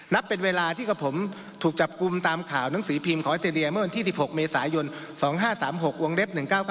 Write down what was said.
นับเป็นเวลาที่กับผมถูกจับกลุ่มตามข่าวหนังสือพิมพ์ของออสเตรเลียเมื่อวันที่๑๖เมษายน๒๕๓๖วงเล็บ๑๙๙